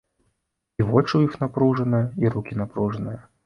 І вочы ў іх напружаныя, і рукі напружаныя.